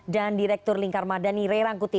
dan direktur lingkar madani rey rangkuti